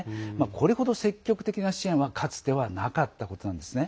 これほど積極的な支援はかつてはなかったことなんですね。